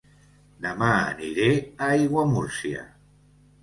Dema aniré a Aiguamúrcia